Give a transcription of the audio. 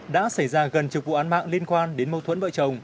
đã xảy ra gần chục vụ án mạng liên quan đến mâu thuẫn vợ chồng